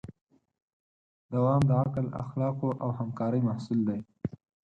دوام د عقل، اخلاقو او همکارۍ محصول دی.